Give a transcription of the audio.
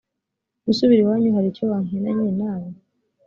gusubira iwanyu hari icyo wankenanye na we